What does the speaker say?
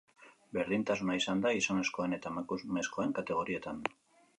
Berdintasuna izan da gizonezkoen eta emakumezkoen kategorietan.